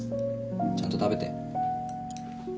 ちゃんと食べて。